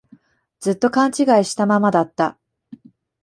ずっと勘違いしたままだった